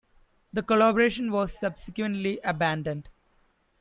That collaboration was subsequently abandoned.